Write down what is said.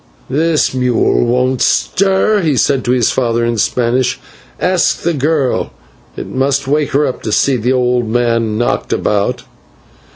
"This mule won't stir," he said to his father in Spanish; "ask the girl, it must wake her up to see the old man knocked about."